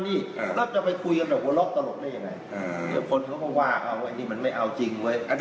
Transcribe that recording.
อยากจะให้ไปออกเวลาสัวนอาทิตย์ก็มากกว่านึกส้ำ